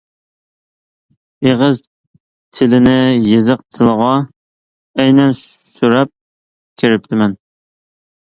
ئېغىز تىلىنى يېزىق تىلىغا ئەينەن سۆرەپ كىرىپتىمەن.